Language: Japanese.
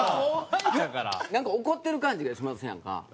なんか怒ってる感じがしますやんか。